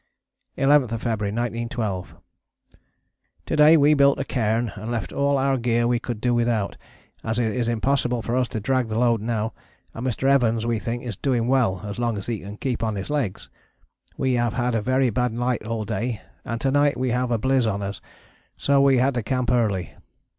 11th February 1912. To day we built a cairn and left all our gear we could do without, as it is impossible for us to drag the load now, and Mr. Evans we think is doing well as long as he can keep on his legs. We have had a very bad light all day, and to night we have a bliz on us, so we had to camp early.